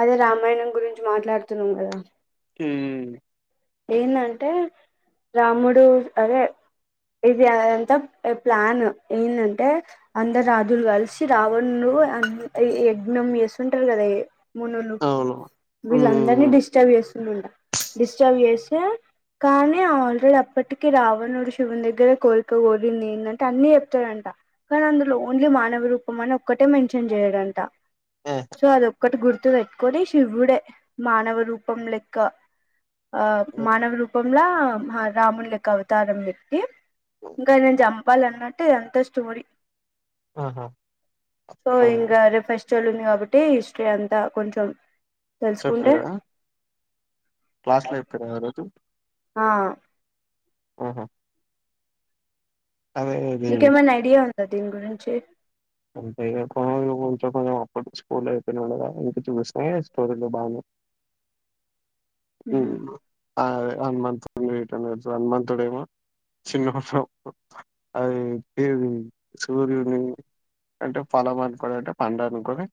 అదే రామాయణం గురించి మాట్లాడుతున్నాం కదా ఉమ్ ఏందంటే రాముడు అద ఇది అదంతా ప్లాన్ ఏందంటే అందరు రాదు అలు కలిసి రామును అ యజ్ఞం వేస్తుంటారు కదా మునులు అవును వీళ్ళందరినీ హ్మ్ డిస్టర్బ్ చేస్త [inaudible] ప్చర్వ్ చేస్తే కానీ ఆల్రెడీ అప్పటికి రావణుడు శివుని దగ్గరే కోరిక కోలింది ఏందంటే అన్ని చెప్తాడంట కానీ అందులో ఓన్లీ మానవ రూపం అని ఒక్కటే మెన్షన్ చేయడంట ఆహా సో అది ఒకటి గుర్తు గుతు పెట్టుకొని శివుడే మానవ రూపం లెక్క ఆ మానవ రూపంలా రాముని లెక్క అవతారం ఎది ఇంకా అయినను చంపాలన్నట్టు ఇదంతా స్టోరీ ఆహా సో ఆ ఇంకా రే ఫెస్టివల్ ఉంది కాబట్టి హిస్టరీ అంతా కొంచెం తెలుసుకుంటే చెప్పిరా క్లాస్ లెదు కదా ఆ రోజు [unintelligible] ఆ ఆఓహో నీకేమైన్నా ఐడియా ఉందా దీని గురించి అంటే కొంచ కొంచెం కొంచెం అప్పటి స్కూల్ అయిపో ఉండగా ఇంక చూస్తా స్టోరీలో బానే అ అదే వన్ మంత్ వెయిట్ అనే వన్ మంత్ టైమా చిన్న వషం అది సూర్యడు అంటే పలం అనుకోడు ఆట అంటే పండు అను కూడా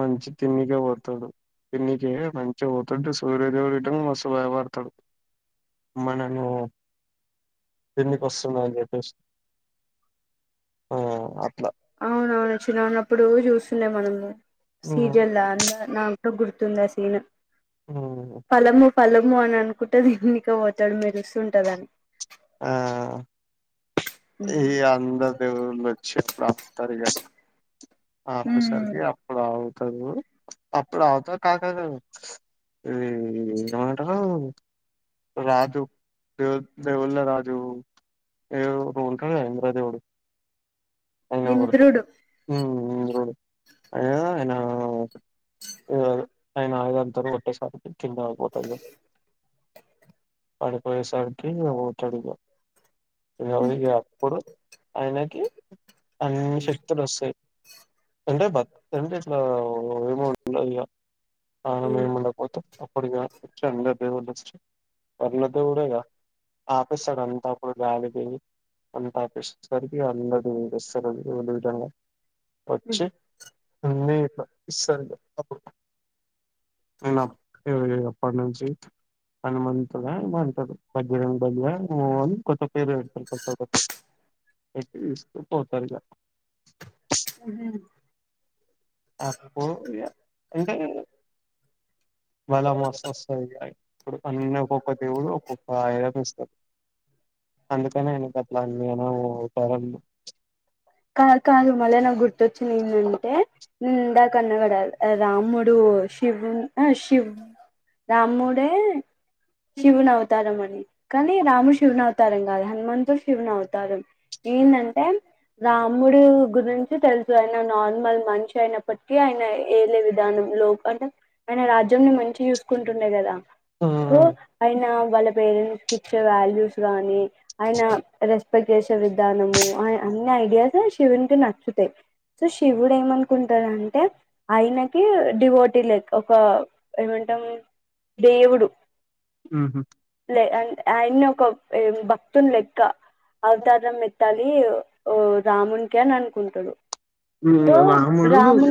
మంచి తినికి పోతాడు తిన్నికె మంచి పొ దొండూస్ సూర్యదేవుడు రిటంగ్ మస్తు భయపడతాడు అమ్మ నేను కీందికి వస్తుంద అని చెప్పేసి ఆ అట్లా అవునవును చినన్నప్పుడు చూస్తుండే మనము హ్మ్ సీరిల్లాన్ నా కూడా గుర్తుందాఆ సీన్ హ్మ్ పలము పలము అని అనుకుంట దన్ని సొ పొతాడు మెరుస్తూ చూస్తుంటదని ఆ ఈ అందరూ దేవుళ్ళు వచ్చీ ప్రాప్తారుజస్ ఆ సకి ఉమ్ అడ అవు అప్పుడు అత క క క ఇది ఏమంటారు రాతు దేవుళ్ళ రాజు ఏ రోల్ క ఇందరా దేవుడు ఇంద్రుడు అయ ఆయన ఆయన ఆద అంటారు కొట్టేసారికి చిన్నపోతా పడపోయసార్కి చడిగా వరికి అప్పుడు అయనాకి అనిషట్ రస్ అంటే బ అంటే ఇట్లా ఏమో ఆ మేము పోతాం అప్పుడిగా అందరు దేవుళ్ళు పర్ల దేవుడేగా ఆపేస్తాడు అంతా అప్పుడు గాలి అంత ఆపేసరికి అంద [unintelligible] వచ్చి ఉంది ఇంట్ల ఇస్ అప్పు ఇ ఎప్పటి నుంచి హనుమంతుగ ఏమో అంటరు బజరంగ బడిగా మలు కొత్త పేరు పెడతరు కొత్త పోతారు ఇగ అప్పుడు ఇగ అంటే వస్తే వస్తది ఇప్పుడు అన్న ఒక్కొక్క దేవుడు ఒక్కొక్క ఆయుధం ఇస్తాడు అందుకనే ఆయనకట్ల అన్ని అవతారం కా కాదు మళ నా గుర్తు వచ్చింది ఏంటంటే నిండా కన్నాగడ రాముడు శివు శివ్ రాముడే శివున అవతారమణి కానీ రాము శివున అవ అతారం కాదు హనుమన్తో శివుని అవుతారం ఏందంటే రాముడు గురించి తెలుసు ఆయన నార్మల్ మనిషి అయినప్పటికీ ఆయన ఏలే విధానం లో అంటే ఆయన రాజ్యంన్ని మంచి చూసుకుంటుండే కదా ఆ సో ఆయన వాళ్ళ పేరెంట్స్ క ఇచ్చే వాల్యూస్ గానీ ఆయన రెస్పెక్ట్ చేసే విధానము అన్ని ఐడియాస్ శివునికి నచ్చుతాయి సో శివుడు ఏమనుకుంటాడంటే ఆయనకి డివోటీ లేక్ ఒక ఏమంటాం దేవుడు. ఉహు లే అంట్ అ అయన్నొక మ్ ఎ భక్తున్ లెక్క అవతారం ఎత్తాలి ఓ రామున్కి అని అనుకుంటుడు. ఉమ్ రాముడు రామ్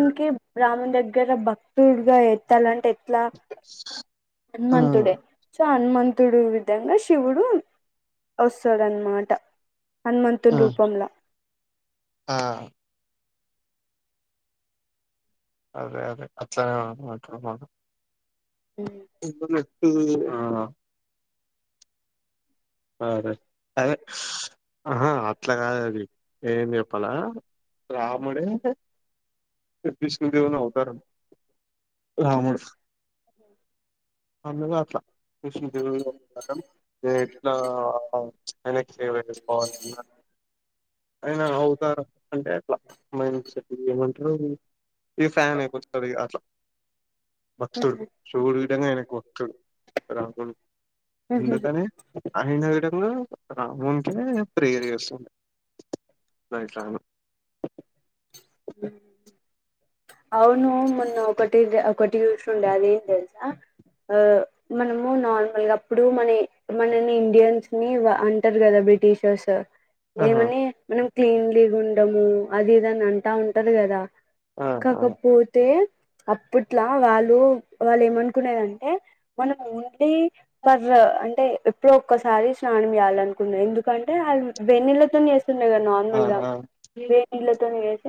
రామున్ దగ్గర భక్తుడ్గ ఎత్తాలంటె ట్లా ఆ మన్ టుడె చొ హనుమంతుడు విధంగ శివుడు వస్తాడన్మాట. ఆ హన్మంతున్ రూపంల. ఆ అదె అదె అట్లనె. [unintelligible] ఇబ్బుడ్ నొత్తీ ఆ. ఆ అదె అదె ఉహు అట్ల గాదది ఏం జెప్పలా రాముడే విష్ణుదేవుని అవతారం రాముడు అందుకు అట్ల విష్ణుదేవుని అవతారం దే ఆ ఔ ఆయనక్ ఫేవరెట్ స్పార్టున్న ఐన అవ్తారం అంటె అట్ల మైండ్ సెట్ ఏమంట్రు అది ఇగ ఫ్యాన్ ఐపోతరిగ అట్ల. స్తుడు శివుడు విదంగ ఆయనక్ మొక్తడు అలాంటోడు ఉహు అందుకనె అందె విధంగ. రామూ అంటెనె ప్రేర్ జేస్తాది. రైట్ రాను. అ ఔనూ మొన్న ఒకటి డ్ ఒకటి జూసుండె అదేన్దెల్స ఆ మనము నార్మల్గప్పుడు మన ఇ మనని ఇండియన్స్ ని వా అంటర్ గద బ్రిటీషర్స్. ఆహా ఏమని మనం క్లీన్లీ గున్ డమూ అది ఇదనంటా ఉంటర్ గద. ఆ ఆ కాకపోతే. అప్పుట్లా వాలు వాళ్ళేమనుకునేద టే మనమూంటి పర్ అంటె ఎప్పుడౌ ఒక్కసారి స్నానం జేయాలనుకున్న ఎందుకంటె ఆళ్ళ్ వేన్నీళ్ళతోని జేస్ స్తుండెగ ఆ నార్మల్గ ఆ వేన్నీళ్లతోనె జేస్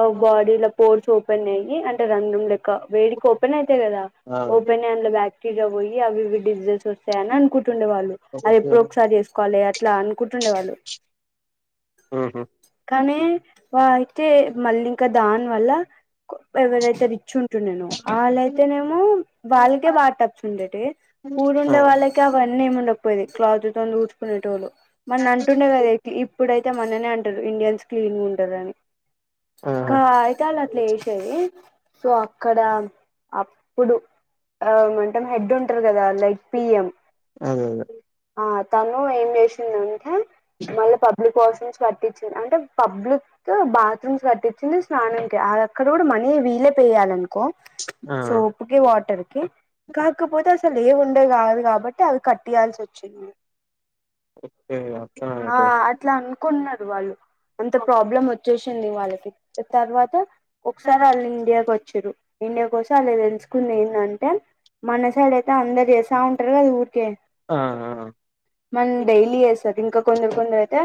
అవ్ బాడీల పోర్సోపెన్ అయ్యి అంటె రంద్రం లెక్క వేడికోపెనయ్ తె గద ఆ, ఓపెనయ్ అందులొ బ్యాక్ కిగ బొయ్యి అవి ఇవి డిజ్ [unintelligible] సయ్ అన్కుంటుండు వాళ్ళు ఓకే అదెప్పుడో ఒక్సారి చేస్ కోలి అట్లా అనుకుంటుండె వాళ్ళు. ఉహు కనీ వా అయితే మల్లింక దాన్ వాల్ల ఎవరైతే రిచ్ టుండెనో వాళ్ళైతేనేమో వాళ్ళకే వాటప్స్ ఉండే ఆ టెఊడుండే వాళ్ళకే అవన్న [unintelligible] నేం ఉండపోయిది క్లాత్తో ఊడ్చుకునేటోళ్ళు నన్నంటునె అంటుండే కదా ఇప్పుడైతే మననే అంటారు ఇండియన్స్ క్లీన్గా ఉంటారని ఆ కాయ్ దాలట్లో ఎషెది సో అక్కడ అప్పుడు ఆ 'మెంటన్ హెడ్ ఉంటారు కదా లైక్ పిఎం అదె అదె ఆ తను ఏం చేసిందంటే మళ్ళ పబ్లిక్ వాష్రూమ్స్ కట్టించిింది అంటే పబ్లిక్ బాత్రూమ్స్ కట్టించిింది స్నానం అక్కడ కూడ మనీ వీలే పే చేయాలనుకో ఆ సోపుకిి వాటర్కి కాకపోతే అసలు ఏముండే కాదు కాబట్టి అవి కట్ ఇయాల్సి వచ్చింది ఏ ఆ అర్థమైతది అట్లా అనుకున్న వాళ్ళు అంత ప్రాబ్లమ్ చేసింది వాళ్ళకి తర్వాత ఒక్సారి ఆల్లు ఇండియాకు వచ్చి చెరు ఇండియా కో సాలె దెల్స్ ఏంటంటే మన సైడ్ అయితే అందరు చేస్తా ఉంటారు అది ఒకె ఆ ఆ మన డైలీ చేస్ ఇంక కొందరు కొందరు అయితే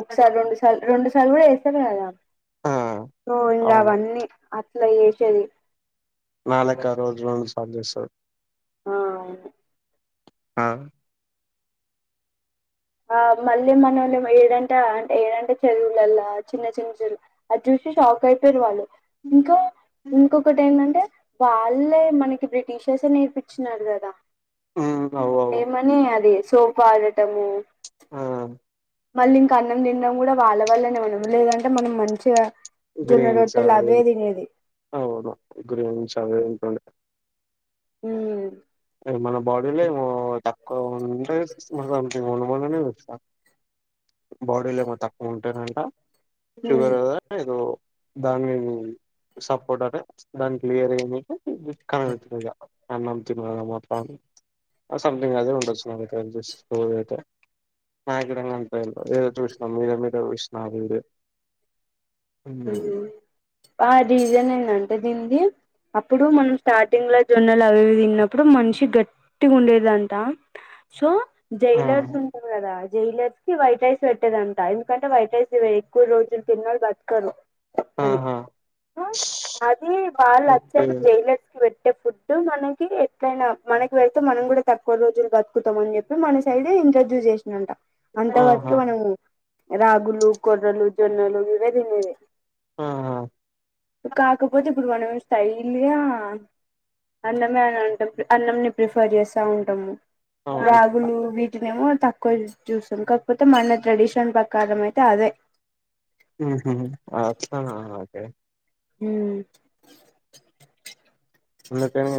ఒకసారి రెండు సార్లు రెండు సార్లు కూడ చెత్తరు కదా ఆ ఇంకాబ అవును అట్ల చేసేది నా లెక్క రోజు రోజుక్ సాధ చేస్తారు ఆ అ ఆ మళ్ళీ మనం ఏడంటె ఏడంట చదువులల్లా చిన్న చిన్న చెదువు అది చూసి షాక్ అయిపోయారు వాళ్ళు ఇంకా ఇంకొకటి ఏంటంటే వాళ్ళే మనకి బ్రిటిషెస్ నేర్పించినారు కదా ఉమ్ అవు అవు ఏ మనీ అదిస్ తో పాడటము ఆ మళ్ళీ ఇంకా అన్నం తినడం కూడా వాళ్ళ వాల్ళనే మనము లేదంటే మనం మంచిగా జొన్న రొట్టెలు గ్రీన్స్యి అవే తినేది అవును గ్రీన్స్విే [unintelligible] హ మన బాడీ లో ఏమో త అ మ మన వ [unintelligible] బాడీలో ఏమో తక్కువ ఉంటే మ్మ్ షుగర్ కదా ఏదో దాని [unintelligible] సపోర్ట్ [unintelligible] దానికి వేరే ఏమంటే కనతు [unintelligible] అన్నం తినడం అట్లా అని ఆ సమ్థింగ్ అదే ఉండచ్చు నాకు తెలిసి ఓ అయితే [unintelligible] [inaudible] ఏదో చూసిన మీద మీదే చూసిన ఆ వీడియో ఉమ్. ఆ రీజన్ ఎందంటే దీనిది అప్పుడు మనం స్టార్టింగ్ లో జొన్నలు అవి తిన్నప్పుడు మనిషి గట్టి గట్టిగా ఉండేదంట సో ఆ జైలర్స్ ఉంటారు కదా జైలర్స్ కి వైట్ రైస్ పెట్టేదంటా ఎందుకంటే వైట్ రైస్ ఎక్కువ రోజులు తిన్నోళ్లు బతుకుతారు బతుకుతారు ఆహా అది వాళ్ళు ఓకే అచ్చంగా జైలర్స్ కి పెట్టే అంటే ఫుడ్ మనకి ఎట్లైన మనకి వెళ్తే మనం కూడా తక్కువ రోజులు బతుకుతామని చెప్పి మన సైడ్ ఇంట్రడ్యూస్ చేసిరంట అంతవరకి ఆహా మనం రాగులు కొర్రలు జొన్నలు అవే తినేది ఆహ కాకపోతే ఇప్పుడు మనం స్టైల్గా అన్నమే అని అంటాం అన్నంని ప్రిఫర్ చేస్తా ఉంటాము అవును రాగులు వీటినేమో తక్కువ చూస్తాం కాకపోతే మన ట్రెడిషన్ ప్రకారం అయితే అదే ఊహు అట్లనా ఓకే హూమ్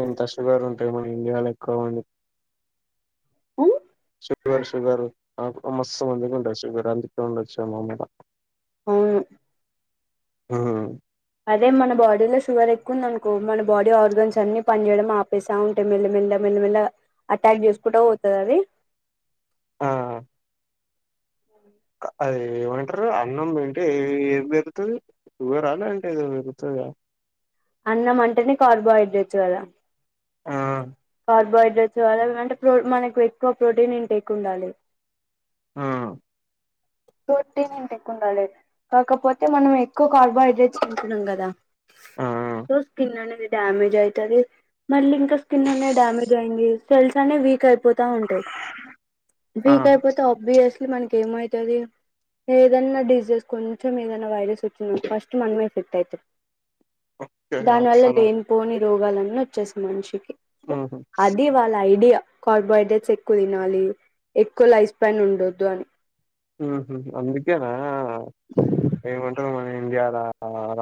ఇంత శుగరు మన ఇండియాలో ఎక్కువ ఉంది ఉమ్ షుగర్ షుగర్ మస్తు మందికి ఉండొచ్చు వఇక్కడ అందుకే ఉండొచ్చు అనమాట అవును ఉహూ అదే మన బాడీలో షు షుగర్ ఎక్కువుందనుకో మన బాడీ ఆర్గన్స్ అన్ని పని చేయడం ఆపేస్తాఉంటాయి మెల్లమెల్ల మెల్లమెల్ల అటాక్ చేసుకుంటా పోతుంది అది ఆ అ అది ఏమంటారు అన్నం తింటే ఏది పెరుతుంది షుగరా అంటే ఏదో పెరుగు వస్తది గా అన్నం అంటేనే కార్బోహైడ్రేట్స్ కదా ఆ కార్బోహైడ్రేట్స్ అంటే ప్రో మనకు ఎక్కువ ప్రోటీనెంట్ ఎక్కువ ఉండాలి ఆ ప్రోటీన్ ఇంక ఎక్కువ ఉండాలి కాకపోతే మనం ఎక్కువ కార్బోహైడ్రేట్స్ తింటున్నాం కదా సో స్కిన్ అనేది డ్యామేజ్ అవుతుంది మళ్ళ ఇం స్కిన్ అనే డమజ్ అయి్యంది సెల్స్ అనే వీక్ అయింది పోతా ఉంటాయి ఆ ఆ వీక్ అయిపోతే అబ్వియస్లీ ఇ మనక ఏమవుతుంది ఏదైనా డిజెస్ కొంచెం ఏదైనా వైరస్ వచ్చిన ఫస్ట్ మనమ ఎఫెక్ట్ అవుతాం దాని వల్ల అట్లనా లేని పోని రోగాలన్ని చస్ మనిషి ని ఊహూ అది వాళ్ళ ఐడియా కార్బోహైడ్రేట్స్ ఎక్కువ తినాలి ఎక్కువ లైఫ్ పన్ ఉండొద్దు అని హ అమ్ందుకేనా ఆ ఏమిమంటారు మనీ ఇయల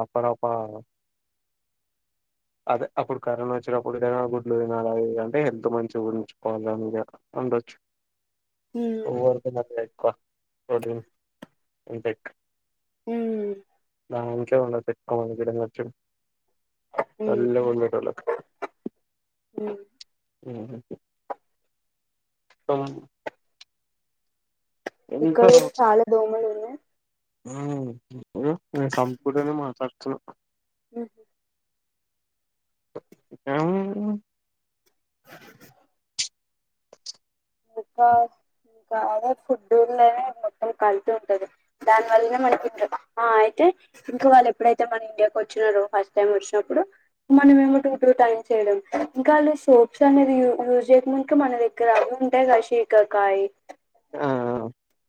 రప్ప రప్ప అదే అప్పుడు కరోనా వచ్చినప్పుడు ఏదైనా గుడ్లు ఏనా అ అంటే హెల్త్ మంచిగా ఉంచుకోవాలి అగా ఉండొచ్చు ఉమ్ తినాలనే ఎక్కువ గుడ్లు ఇంపెక్ హ బాం ఉండ తప్ప మచ్చ ఉమ్ నల్ ఉండేటొల్లకు ఉమ్ ఉ ఇక్కడ కూడా చాలా దోమల్ ఉన్నాయి ఆ నేను సంపూర్ణతోని మాట్లాడుతున్నా ఉహు [unintelligible] కాదు ఆ ఫుడుల్నే మొత్తం కల్తీ ఉంటది దాన్ వల్నే మనకి ఆ అయితే ఇంకా వాళ్ళ ఎప్పుడైతేన మన వచ్చినారు ఫస్ట్ టైం వచ్చినప్పుడు మనమెమో [unintelligible] చేయడం ఇంకా వాళ్ళు సోప్స్ అనేది యూజ్ చేసినక మన దగ్గర సికాకాయ ఆ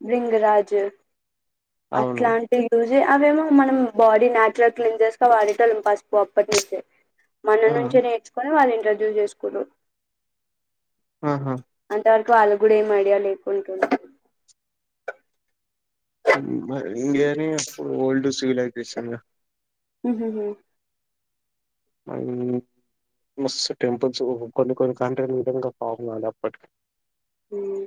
బృంగరాజు అవును అట్లాంటివి అవేమో మనం బాడీ నచురల్ గా క్లీన్ చేసుకోవడం వాడేటోల్లం పసుపు అప్పటి నుంచే మన ఆ నుంచి నేర్చుకొని వాళ్ళు [unintelligible] చేసుకుందూ ఆహా వాళ్ళ కూడా ఏం ఐడియా లేకుంటుంది ఇంకా ఎవరు చేస్తున్రు ఓన్లీ [unintelligible] హూ హు హు మ టెంపుల్స్ కొన్ని కొన్ని కంట్రీల విధంగా [unintelligible] అప్పటికి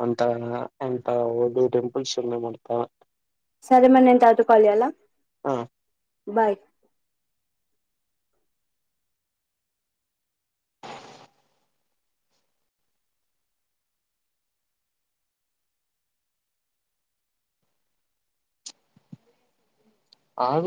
అంతే ఇంగ అంత ఓన్లీ టెంపుల్స్ ఎల్లం అంత సరే మరి నేను తరూవాత కాల్ చేయలా ఆ బాయ్ ఆ